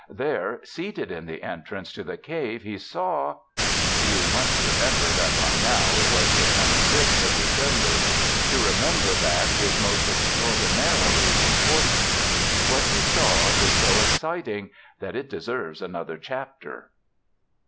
There, seated in the entrance to the cave, he saw ... You must remember that by now it was the twenty fifth of December. To remember that is most extraordinarily important. What he saw is so exciting that it deserves another chapter.